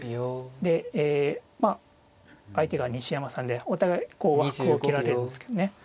でえ相手が西山さんでお互いこう和服を着られるんですけどね。